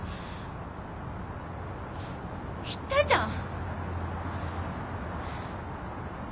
言ったじゃん。